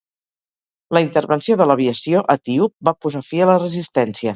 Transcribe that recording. La intervenció de l'aviació etíop va posar fi a la resistència.